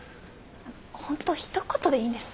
ほんとひと言でいいんです。